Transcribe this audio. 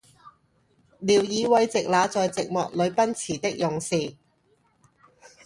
聊以慰藉那在寂寞裏奔馳的猛士，